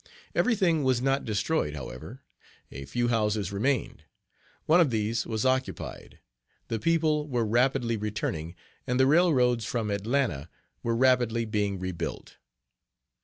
Every thing was not destroyed, however. A few houses remained. One of these was occupied. The people were rapidly returning, and the railroads from Atlanta were rapidly being rebuilt.